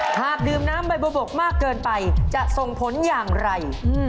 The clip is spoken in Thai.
หากดื่มน้ำใบบัวบกมากเกินไปจะส่งผลอย่างไร